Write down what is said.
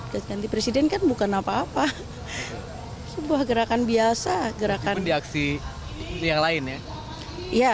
dan ganti presiden kan bukan apa apa sebuah gerakan biasa